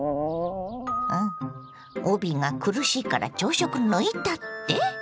帯が苦しいから朝食抜いたって？